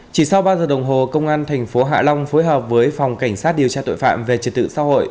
chỉ sau ba giờ đồng hồ công an thành phố hạ long phối hợp với phòng cảnh sát điều tra tội phạm về trật tự xã hội